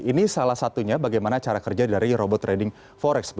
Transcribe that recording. ini salah satunya bagaimana cara kerja dari robot trading forex